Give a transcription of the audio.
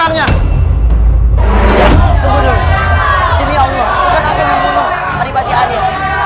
demi allah bukan aku yang membunuh alipati arya